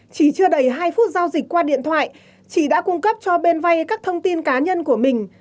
chỉ chưa đầy hai phút giao dịch qua điện thoại chị đã cung cấp cho bên vay các thông tin cá nhân của mình